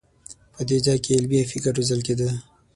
په دې ځای کې علمي فکر روزل کېده.